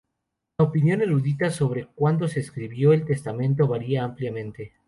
La opinión erudita sobre cuándo se escribió el testamento varía ampliamente.